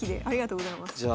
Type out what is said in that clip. ありがとうございます。